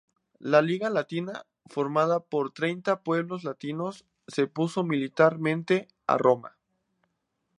La Liga latina, formada por treinta pueblos latinos, se opuso militarmente a Roma.